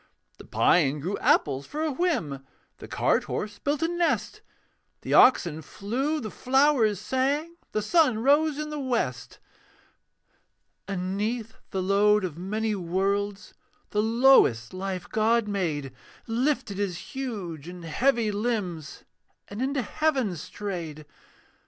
The pine grew apples for a whim, The cart horse built a nest; The oxen flew, the flowers sang, The sun rose in the west. And 'neath the load of many worlds, The lowest life God made Lifted his huge and heavy limbs And into heaven strayed.